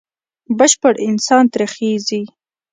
بشپړ انسان ترې خېژي.